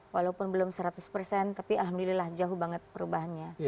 walaupun belum seratus persen tapi alhamdulillah jauh banget perubahannya